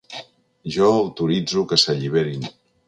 Jo autoritzo que s’alliberin.